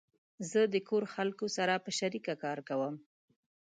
زه کور خلقو سره په شریکه کار کوم